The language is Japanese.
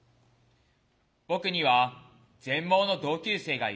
僕には全盲の同級生がいる。